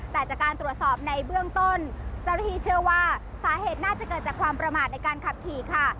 แต่จากการตรวจสอบในเบื้องต้นเจ้าหน้าที่เชื่อว่าสาเหตุน่าจะเกิดจากความประมาทในการขับขี่ค่ะ